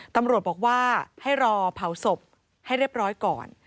ตำรวจบอกว่าให้รอเผาศพให้เรียบร้อยก่อน